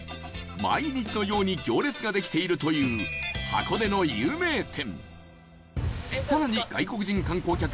毎日のように行列ができているという箱根の有名店